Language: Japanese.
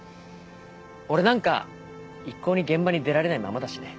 俺なんか一向に現場に出られないままだしね。